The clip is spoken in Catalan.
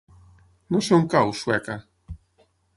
No sé on cau Sueca.